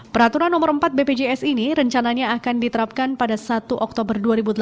peraturan nomor empat bpjs ini rencananya akan diterapkan pada satu oktober dua ribu delapan belas